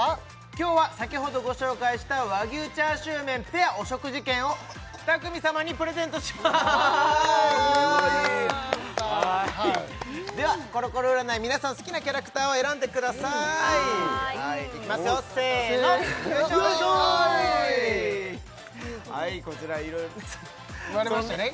今日は先ほどご紹介した和牛チャーシュー麺ペアお食事券を２組様にプレゼントしますではコロコロ占い皆さん好きなキャラクターを選んでくださいいきますよせーのよいしょ割れましたね